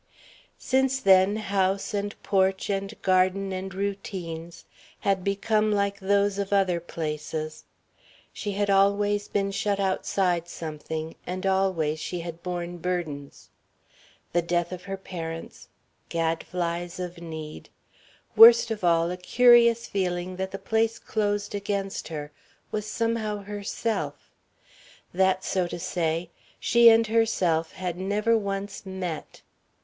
Since then house and porch and garden and routines had become like those of other places. She had always been shut outside something, and always she had borne burdens. The death of her parents, gadflys of need, worst of all a curious feeling that the place closed against her was somehow herself that, so to say, she and herself had never once met.